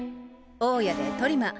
大家でトリマー。